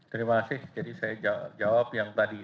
terima kasih jadi saya jawab yang tadi